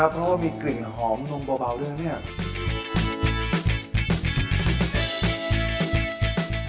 เชฟ